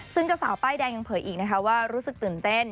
ซึ่งเจ้าสาวป้ายแดงยังเผยอีกนะคะว่ารู้สึกตื่นเต้น